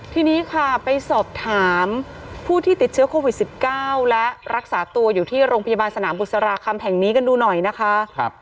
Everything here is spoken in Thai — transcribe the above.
ทีนี้ค่ะไปสอบถามผู้ที่ติดเชื้อโควิด๑๙และรักษาตัวอยู่ที่โรงพยาบาลสนามบุษราคำแห่งนี้กันดูหน่อยนะคะ